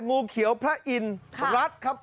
งูเขียวพระอินทร์รัดครับ